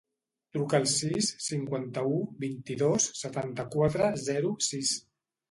Truca al sis, cinquanta-u, vint-i-dos, setanta-quatre, zero, sis.